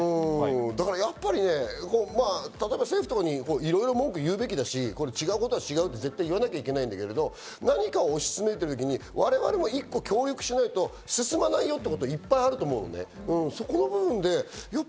だからやっぱりね、政府とかにいろいろ文句を言うべきだし、違うことは違うって絶対言わなきゃいけないけど何かを推し進めているときに我々も一個、協力しないと進まないよってこといっぱいあると思うのね。